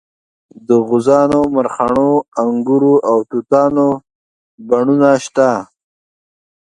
د غوزانو مرخڼو انګورو او توتانو بڼونه شته.